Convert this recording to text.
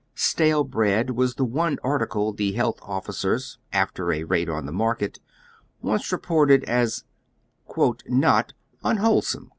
Stale bread was the one ar ticle the health officers, after a raid on the market, once re ported as " not unwholesome."